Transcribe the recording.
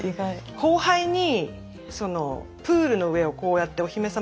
後輩にプールの上をこうやってお姫様